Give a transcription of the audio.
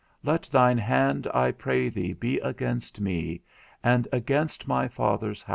Let thine hand, I pray thee, be against me and against my father's house_.